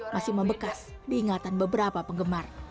masih membekas diingatan beberapa penggemar